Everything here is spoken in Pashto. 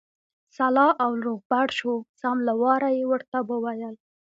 سلا او روغبړ شو، سم له واره یې ورته وویل.